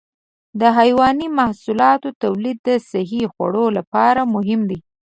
د حيواني محصولاتو تولید د صحي خوړو لپاره مهم دی.